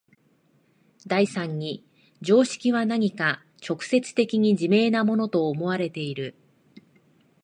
第三に常識は何か直接的に自明なものと思われている。